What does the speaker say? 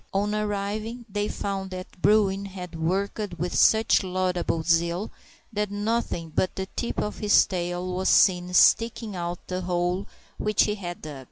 On arriving, they found that Bruin had worked with such laudable zeal that nothing but the tip of his tail was seen sticking out of the hole which he had dug.